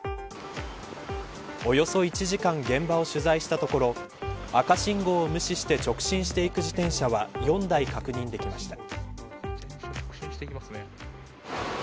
およそ１時間現場を取材したところ赤信号を無視して直進していく自転車は４台、確認できました。